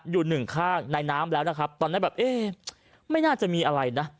อยู่หนึ่งข้างในน้ำแล้วนะครับตอนนั้นแบบเอ๊ะไม่น่าจะมีอะไรนะ